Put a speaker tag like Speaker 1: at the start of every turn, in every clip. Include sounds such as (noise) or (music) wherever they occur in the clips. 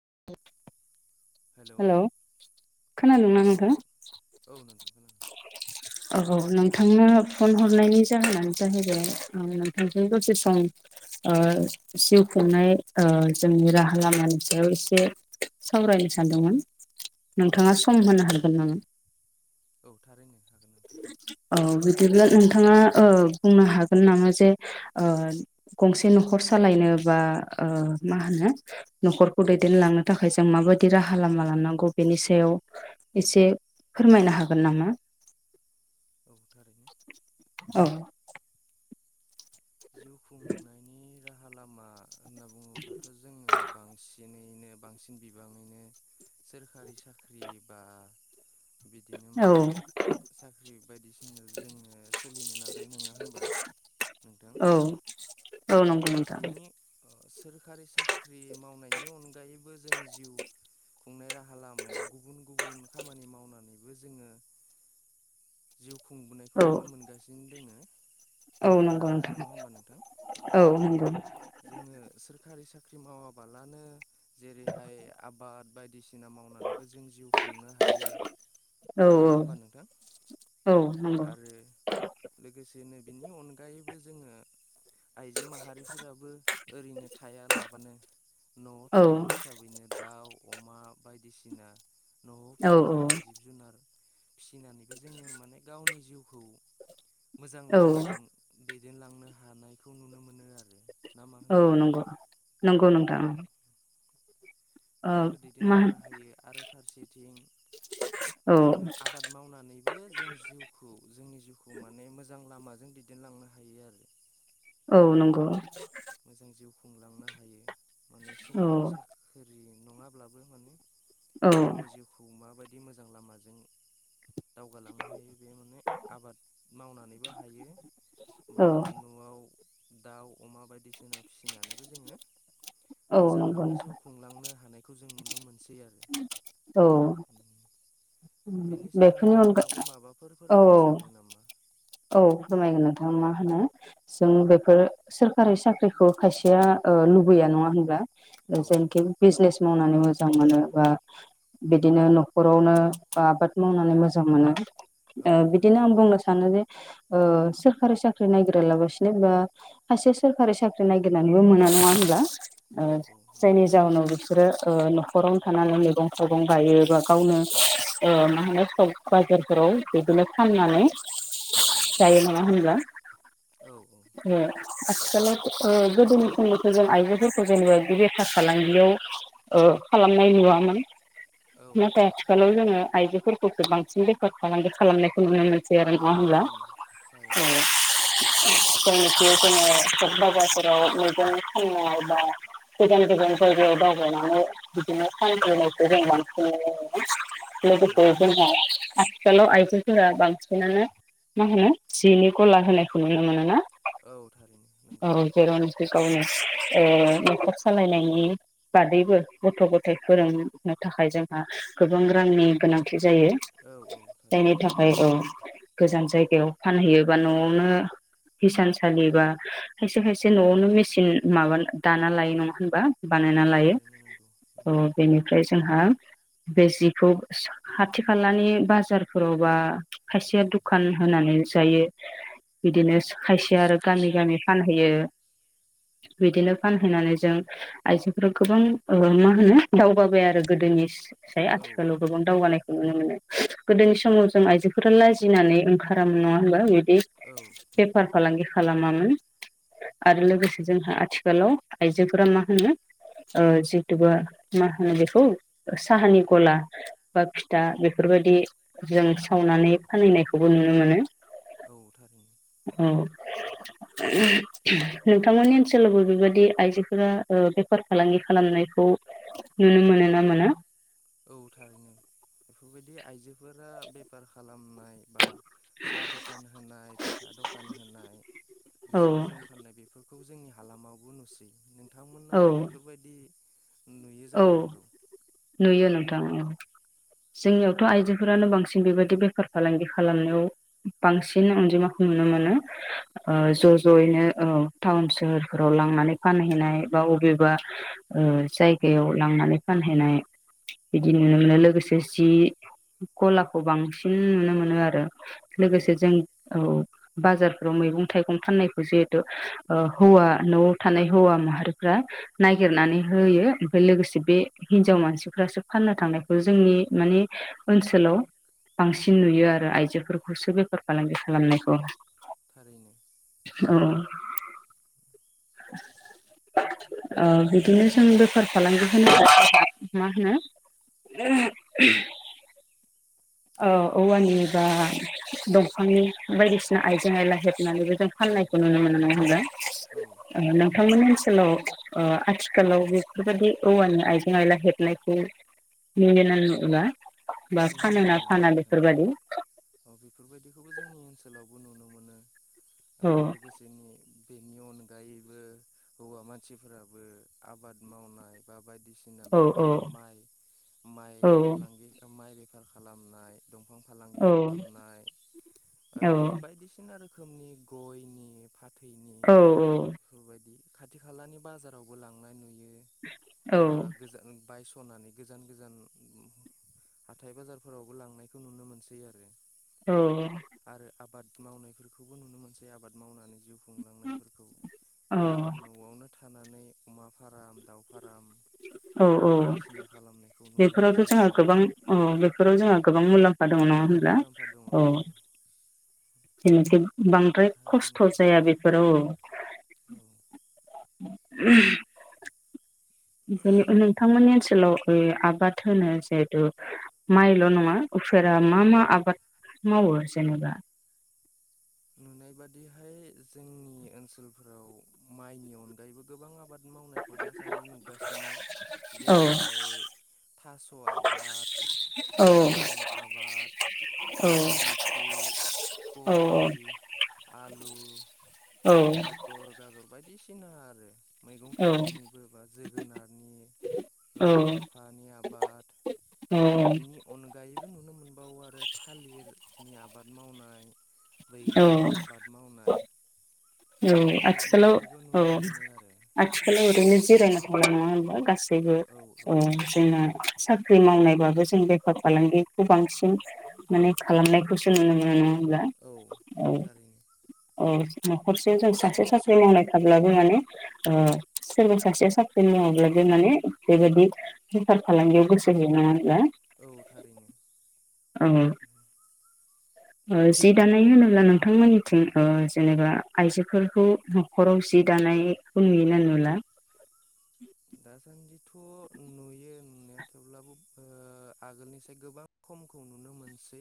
Speaker 1: (inaudible)
Speaker 2: Hello औ नोंथां औ नोंथां खोना
Speaker 1: औ नोंथांनो फन हरनायनि जाहोनानो जाहैबाय नोंथांजों दसे सम जिउ खुंनाय जोंनि राहा लामानि सायाव एसे सावरायनो सानदोंमोन। नोंथाङा सम होनो हागोन नामा?
Speaker 2: औ थारैनो हागोन। नोंथां
Speaker 1: औ बिदिब्ला नोंथाङा ओ बुंनो हागोन नामा जे ओ गंसे न'खर सालायनो बा ओ मा होनो न'खरखौ दैदेनलांनो थाखाय जों माबायदि राहा लामा लानांगौ बेनि सायाव इसे फोरमायनो हागोन नामा।
Speaker 2: औ थारैनो।
Speaker 1: औ।
Speaker 2: जिउ खुंनायनि राहा लामा होनना बुङोब्लाथ' जोङो बांसिनैनो बांसिन बिबांयैनो सोरखारि साख्रि बा बिदिनो
Speaker 1: औ
Speaker 2: माने साख्रि बायदिसिना जोङो सोलिनो नाजायो नङा होमबा नोंथां।
Speaker 1: औ। औ नंगौ। नोंथां।
Speaker 2: बिनि सोरखारि साख्रि मावनायनि अनगायैबो जों जिउ खुंनाय राहा लामायाव गुबुन गुबुन खामानि मावनानैबो जोङो जिउ
Speaker 1: औ
Speaker 2: खुंबोनायखौ नुनो मोनगासिनो दोङो आगोलनिफ्रायनो नङा होमबा नोंथां।
Speaker 1: औव नंगौ।
Speaker 2: जोङो सोरखारि साख्रि मावाबालानो जेरैहाय आबाद बायदिसि दिना मावनानैबो जों जिउ खुंनो हायो
Speaker 1: औ
Speaker 2: नोङा होमबा नोंथां
Speaker 1: औ नंगौ
Speaker 2: आरो लोगोसेनो बिनि अनगायैबो जोङो आइजो माहा फोराबो ओरैनो थाया लाबानो न'आव
Speaker 1: औ
Speaker 2: थानाय हिसाब हिसाबैनो दाउ अमा बायदिसिना न'आव
Speaker 1: औ
Speaker 2: फिसिजानाय जिब जुनार फिसिनानैबो जोङो माने गावनि जिउखौ मोजां
Speaker 1: औ
Speaker 2: लामाजों दैदेनलांनो हानायखौ नुनो मोनो आरो ना मा होनो
Speaker 1: औ
Speaker 2: नोंथां
Speaker 1: नंगौ नंगौ नोंथां ओ
Speaker 2: बिदिबो
Speaker 1: मा
Speaker 2: दैदेनलांनो हायो आरो फारसेथिं
Speaker 1: औ
Speaker 2: जोङो आबाद मावनानैबो जों जिउखौ जोंनि जिउखौ माने मोजां लामाजों दैदेनलांनो हायो आरो
Speaker 1: औ नंगौ
Speaker 2: मोजां जिउ खुंलांनो हायो माने
Speaker 1: औ
Speaker 2: सोरखारि साख ख्रि नङाब्लाबो माने
Speaker 1: औ
Speaker 2: गावनि जिउखौ माबायदि मोजां लामाजों दावगालांनो हायो बे माने आबाद मावनानैबो हायो
Speaker 1: औ
Speaker 2: बा न'आव दाउ अमा बायदिसिना फिसिनानैबो जोङो
Speaker 1: औ
Speaker 2: मोजां
Speaker 1: नंगौ
Speaker 2: माने
Speaker 1: नोंथां
Speaker 2: जिउ खुंलांनो हानाय खौ जों नुनो मोनसै आरो
Speaker 1: औ
Speaker 2: बेनि सायावनो
Speaker 1: बेफोरनि अनगा
Speaker 2: नोंथाङाबो माबाफोर
Speaker 1: औ औ
Speaker 2: फोरमायनो सानो नामा
Speaker 1: औ फोरमायगोन नोंथां आ मा होनो जों बेफोर सोरखारि साख्रिखौ खायसेया ओ लुबैया नङा होनब्ला
Speaker 2: औ औ
Speaker 1: जोंनिखि बिजनेस मावनानै मोजां मोनो बा बेदिनो न'खरावनो बा आबाद मावनानै मोजां मोनो
Speaker 2: औ
Speaker 1: ओ बिदिनो
Speaker 2: थारैनो
Speaker 1: आं बुंनो सानो जे ओ सोरखारि साख्रि नायगिरालाबासिनो बा खायसे सोरखारि साख्रि नागिरनानैबो मोना नङा होनब्ला ओ
Speaker 2: औ औ नंगौ
Speaker 1: जायनि
Speaker 2: थारैनो
Speaker 1: जाउनाव रो ओ न'खरावनो थानानै मैगं थाइगं गायो बा गावनो ओ मा होनो सं बाजारफोराव बिदिनो फाननानै
Speaker 2: औ
Speaker 1: जायो नङा होनबा
Speaker 2: औ
Speaker 1: ओम आथिखालाव ओ गोदोनि समनि फोरजों आइजोफोरखौ जेनेबा बे बेफार फालांगियाव ओ खालामनाय नुवामोन
Speaker 2: औ
Speaker 1: नाथाय आथिखालाव जोङो आइजोफोरखौसो बांसिन बेफार फालांगि खालामनायखौ नुनो मोनसै आरो। नङा होनब्ला
Speaker 2: थारैनो थारैनो
Speaker 1: ओम जायनाखि जोङो बाजाराव मैगं फाननाय बा गोजान गोजान जायगायाव दावबायनानै बिदिनो फानबोनायखौ जों बांसिन नुनो
Speaker 2: औ
Speaker 1: मोनो
Speaker 2: थारैनो
Speaker 1: लोगोसे जों आथिखालाव आइजोफोरा बांसिनानो मा होनो जिनि गला होनायखौ नुनोमोनो ना।
Speaker 2: औ थारैनो नंगौ।
Speaker 1: जेराव नाखि गावनो नखर सालायनायनि। बादैबो गथ' गथाय फोरोंनो थाखाय जोंहा गोबां रांनि गोनांथि जायो।
Speaker 2: औ औ थारै।
Speaker 1: ओमफ्राय औ गोजान जायगायाव फानहैयोबा न'आवनो हिसान सालि बा खायसे खायसे नआवनो मेचिन माबा दाना लायो नङा होनबा बानायना
Speaker 2: औ
Speaker 1: लायो
Speaker 2: थारैनो नंगौ नोंथां
Speaker 1: अ बेनिफ्राय जोंहा बे जिखौ खाथि खालानि बाजारफोराव बा खायसेया दु खान होनानै जायो बिदिनो खायसे आरो गामि गामि। फानहैयो बिदिनो फानहैनानै जों आइजोफोरा गोबां ओवमा होनो दावगाबाय आरो गोदोनिस फ्राय
Speaker 2: औ औ
Speaker 1: आथिखालाव गोबां
Speaker 2: थारैनो
Speaker 1: दावगानाय। नुनो मोनो गोदोनि समाव जों आइजोफोरा लाजिनानै ओंखारामोन नङा होमबा बिदि
Speaker 2: औ
Speaker 1: बेफार फालांगि खालामामोन। आरो लोगोसे जोंहा आथिखालाव आइजोफोरा मा होनो। ओ जितुुबा मा होनो बेखौ साहानि गला। बा फिथा बेफोरबायदि जों सावनानै फानहैनायखौबो नुनो मोनो।
Speaker 2: औ थारैनो।
Speaker 1: अ नोंथांमोननि ओनसोलावबो बेबायदि आइजोफोरा ओ बेफार फालांगि खालामनायखौ नुनो मोनो ना मोना?
Speaker 2: औ थारैनो बेफोरबायदि आयजोफोरा बेफार खालामनाय बा। साहा दखान होनाय फिथा दखान होनाय
Speaker 1: औ
Speaker 2: जि जोम। फाननाय बेफोरखौ जोंनि हालामावबो नुसै
Speaker 1: औ
Speaker 2: नोंथांमोननाबो बेफोरबायदि नुयो
Speaker 1: औ
Speaker 2: जानो हागौ।
Speaker 1: नुयो नोंथां। जोंनियावथ' आइजोफोरानो बांसिन बेबायदि बेफार फालांगि खालामनायाव बांसिन अनजिमा नुनो
Speaker 2: औ
Speaker 1: मोनो
Speaker 2: औ
Speaker 1: ओ ज'
Speaker 2: थारैनो
Speaker 1: ज'यैनो ओ। टाउन सोहोरफोराव लांनानै फानहैनाय बा अबेबा जाय गायाव लांनानै फानहैनाय। बिदि नुनो मोनो लोगोसे जि गलाखौ बांसिन नुनो मोनो आरो। लोगोसे
Speaker 2: थारैनो
Speaker 1: जों औ। बाजारफोराव मैगं थाइगं फाननायखौ जिहेथु हौवा न'आव थानाय हौवा माहारिफ्रा नागिरनानै होयो। लोगोसे बे हिनजाव मानसिफ्रासो फाननो थांनायखौ जोंनि माने ओनसोलाव बांसिन नुयो आरो आइजोफोरखौसो बेफार फालांगि खालामनायखौ।
Speaker 2: थारैनो।
Speaker 1: औ औ (unintelligible) बिदिनो जों बेफार फालांगि होनोबा मा होनो? (unintelligible) ओ औवानि बा दंफांनि बायदिसिना आइजें आयला हेबनानैबो जों
Speaker 2: औ
Speaker 1: फाननायखौ नुनो मोनो नङा होनबा
Speaker 2: औ
Speaker 1: ओ नोंथांमोननि ओनसोलाव ओ आथिखालाव बेफोरबादि औवानि आइजें आइला हेबनायखौ (unintelligible) बा फानोना फाना बेफोरबादि
Speaker 2: अ बेफोरबायदिखौबो जोंनि ओनसोलावबो नुनो मोनो
Speaker 1: औ
Speaker 2: आरो लोगोसे बेनि बेनि अनगायैबो हौवा मानसिफोराबो आबाद मावनाय बा बायदिसि ना
Speaker 1: औ औ
Speaker 2: बेफार माइ माइ
Speaker 1: औ
Speaker 2: फालांगि ओ माइ बे फार खालामनाय दंफां फालांगि
Speaker 1: औ
Speaker 2: खालामनाय आरो
Speaker 1: औ
Speaker 2: बिदिनो बायदिसिना रो रोखोमनि गयनि फाथैनि
Speaker 1: औ
Speaker 2: बेफोरबायदि खाथि खालानि बाजारावबो लांनाय नुयो बा गोजान बायस'नानै गोजान गोजान हाथाय बाजारफोरावबो लांनायखौ नुनो मोनसै आरो
Speaker 1: औ
Speaker 2: आरो आबाद मावनायफोरखौबो नुनो मोनसै आबाद मावनानै जिउ खुंलांनायफोरखौ बा न'आवनो थानानै अमा फाराम दाउ फाराम
Speaker 1: औ औ
Speaker 2: नुनो
Speaker 1: बेफोरावथ'
Speaker 2: मोनसै
Speaker 1: जोंहा
Speaker 2: आरो
Speaker 1: गोबां औ बेफोराव जोंहा गोबां मुलाम फा दङ नङा
Speaker 2: गोबां
Speaker 1: होनब्ला
Speaker 2: मुलाम्फा दङ
Speaker 1: औ जेनोखि बांद्राय खस्थ'
Speaker 2: थारैनो
Speaker 1: जाया बेफोराव
Speaker 2: औ
Speaker 1: (inaudible) जेनोखि नोंथांमोननि ओनसोलाव ओ आबाद होनो जिहेथु माइल' नङा उफेरा मा मा आबाद मावो जेनेबा?
Speaker 2: नुनाय बादिहाय जोंनि ओनसोलफोराव माइनि अनगायैबो गोबां आबाद मावनायखौ दासान्दै नुगासिनो
Speaker 1: औ
Speaker 2: जेरैहाय थास' आबाद
Speaker 1: औ
Speaker 2: फान्थाव आबाद फान्थाव मिकि कब
Speaker 1: औ
Speaker 2: कबि आलु
Speaker 1: औ
Speaker 2: मटर गाजर बायदिसिना आरो मैगं थाइगंनिबो बा जोगोनारनि
Speaker 1: औ
Speaker 2: लाइ लाफानि आबाद बिनि अनगायैबो नुनो मोनबावो आरो थालिरनि आबाद मावनाय
Speaker 1: औ
Speaker 2: बैग्रिनि आबाद मावनाय
Speaker 1: औ आथिखालाव
Speaker 2: बेफोरबायदिखौबो
Speaker 1: औ
Speaker 2: नुनो मोनो आरो
Speaker 1: आथिखालाव ओरैनो जिरायना थाया नङा होमबा गासै (unintelligible) बो
Speaker 2: औ
Speaker 1: जोंना
Speaker 2: थारैनो
Speaker 1: साख्रि मावनायबाबो जों बेफार फालांगिखौ बांसिन
Speaker 2: औ
Speaker 1: माने खालामनाय (unintelligible) स मोनङा होमब्ला
Speaker 2: औ थारैनो
Speaker 1: औ औ हरसेयाव जों सासे साख्रि मावनाय थाब्लाबो माने ओ सोरबा सासेया साख्रि मावाब्लाबो माने बेबायदि बेफार फालांगियाव गोसो गैया नङा होनब्ला
Speaker 2: औ थारैनो
Speaker 1: औ (unintelligible) ओ जि दानाय होनोब्ला नोंथांमोननिथिं ओ जेनेबा आइजोफोरखौ हरं सि दानायखौ नुयोना नुला उम (inaudible)
Speaker 2: दासान्दिथ' नुयो नुनाया थेवब्लाबो ओ आगोलनिसाय गोबां खमखौ नुनो मोनसै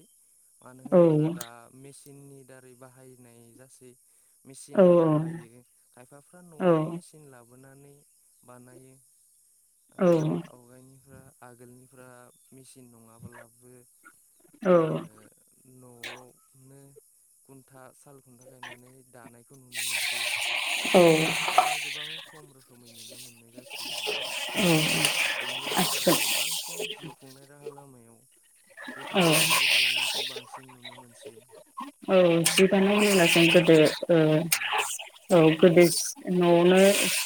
Speaker 2: मानो
Speaker 1: औ
Speaker 2: होनोब्ला दा मेचिननि दारै बाहायनाय जासै मेचिन
Speaker 1: औ
Speaker 2: बाहायो खायफाफ्रा
Speaker 1: औ
Speaker 2: न'आवनो मेचिन लाबोनानै बानायो आरो आवगायनिफ्रा आगोलनिफ्रा मेचिन नङाबोलाबो ओ
Speaker 1: औ
Speaker 2: न'आवनो गुनथा साल खुन्था गायनानै दानायखौ नुनो मोनसै
Speaker 1: औ औ
Speaker 2: अब्लाबो बिदिनो गोबां खम रोखोमै नुनो नुनो मोननाय जासोयो आरो।
Speaker 1: औऔ
Speaker 2: बेनि अनगायै बांसिन जिउ खुंनाय राहा लामायाव
Speaker 1: औ
Speaker 2: बेफार फालांगि बे खालामनायखौ बांसिन नुनो मोनसै।
Speaker 1: औ बिबाननि लेब्लाजों
Speaker 2: उम
Speaker 1: गोदो
Speaker 2: सोर ओ
Speaker 1: औ गोदो न'आवनो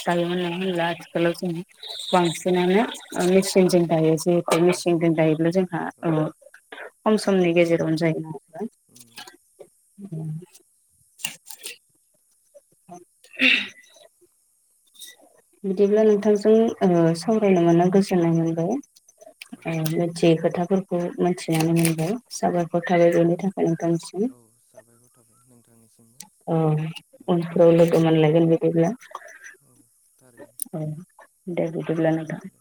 Speaker 1: दायोमोन नंङा ओमब्ला आथिखालाव
Speaker 2: औ
Speaker 1: बांसिनानो ओ मेचिनजों दायोसै मेचिनजों दायोब्ला ओ
Speaker 2: दायो
Speaker 1: जोंहा
Speaker 2: औ
Speaker 1: खम समनि गेजेराव जायो।
Speaker 2: उम
Speaker 1: (inaudible) (inaudible) बिदिब्ला नोंथांजों ओ सावरायनो मोनना गोजोननाय मोनबाय। (unintelligible)
Speaker 2: थारैनो
Speaker 1: जि खोथाफोरखौ मिथिनानै मोनबाय साबायखर थाबाय बेनि थाखाय नोंथांनिसिम।
Speaker 2: औ साबायखर थाबाय नोंथांनिसिम
Speaker 1: औ उन फोराव लोगो मोनलाय गोन बिदिब्ला
Speaker 2: औ थारैनो।
Speaker 1: औ दे बिदिब्ला नोंथां।
Speaker 2: दे